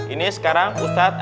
ini sekarang ustadz